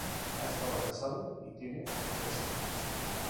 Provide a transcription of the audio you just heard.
Ha estado casado, y tiene tres hijos.